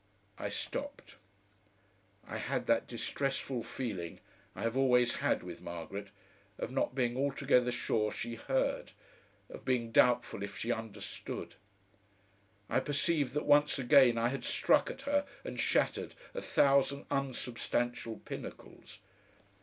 I stopped. I had that distressful feeling I have always had with Margaret, of not being altogether sure she heard, of being doubtful if she understood. I perceived that once again I had struck at her and shattered a thousand unsubstantial pinnacles.